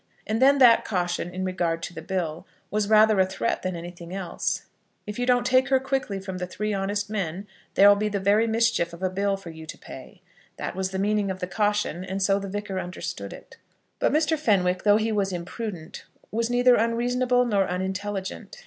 And then that caution in regard to the bill was rather a threat than anything else. If you don't take her quickly from the Three Honest Men there'll be the very mischief of a bill for you to pay. That was the meaning of the caution, and so the Vicar understood it. But Mr. Fenwick, though he was imprudent, was neither unreasonable nor unintelligent.